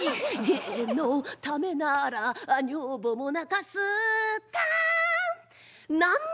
「芸のためなら女房も泣かす」たん。